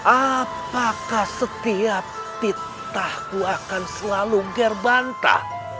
apakah setiap titahku akan selalu gerbantah